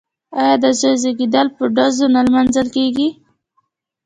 آیا د زوی زیږیدل په ډزو نه لمانځل کیږي؟